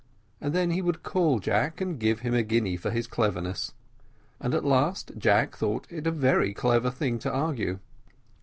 And then he would call Jack and give him a guinea for his cleverness; and at last Jack thought it a very clever thing to argue.